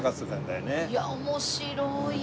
いや面白い。